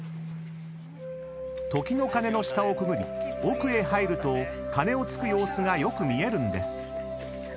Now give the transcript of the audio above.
［時の鐘の下をくぐり奥へ入ると鐘をつく様子がよく見えるんです］